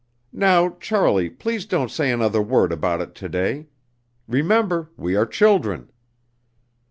Now, Charlie, please don't say another word about it to day. Remember, we are children!"